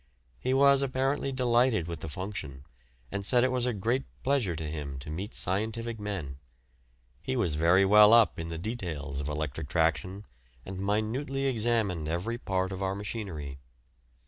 He was apparently delighted with the function, and said it was a great pleasure to him to meet scientific men. He was very well up in the details of electric traction, and minutely examined every part of our machinery.